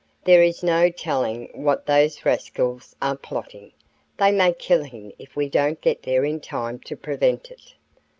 "There is no telling what those rascals are plotting. They may kill him if we don't get there in time to prevent it."